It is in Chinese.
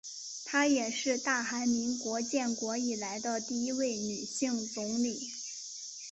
她也是大韩民国建国以来的第一位女性总理。